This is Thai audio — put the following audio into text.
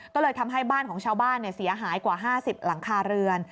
ก็เลยทำให้บ้านของชาวบ้านเสียหายกว่า๕๐หลังคาเรือน